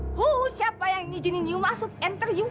who who siapa yang ngijinin you masuk enter you